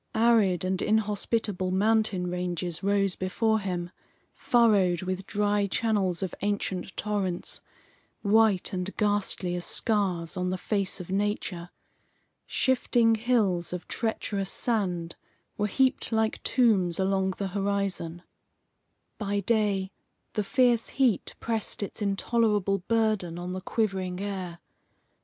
Arid and inhospitable mountain ranges rose before him, furrowed with dry channels of ancient torrents, white and ghastly as scars on the face of nature. Shifting hills of treacherous sand were heaped like tombs along the horizon. By day, the fierce heat pressed its intolerable burden on the quivering air.